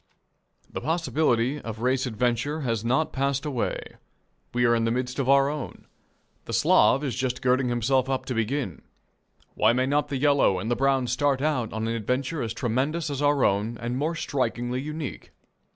The possibility of race adventure has not passed away. We are in the midst of our own. The Slav is just girding himself up to begin. Why may not the yellow and the brown start out on an adventure as tremendous as our own and more strikingly unique?